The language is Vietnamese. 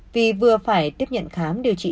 vì vừa phải tiếp nhận khám điều trị